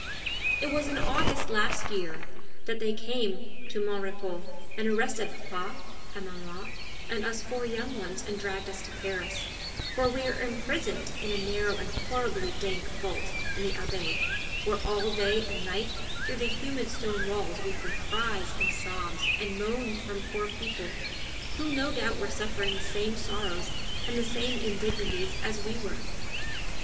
It was in August last year that they came to "Mon Repos" and arrested papa, and maman, and us four young ones and dragged us to Paris, where we were imprisoned in a narrow and horribly dank vault in the Abbaye, where all day and night through the humid stone walls we heard cries and sobs and moans from poor people, who no doubt were suffering the same sorrows and the same indignities as we were.